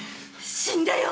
死んでよ！